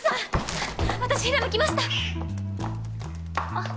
あっ。